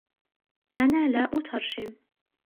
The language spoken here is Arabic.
أنا لا أترجم.